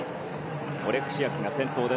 オレクシアクが先頭。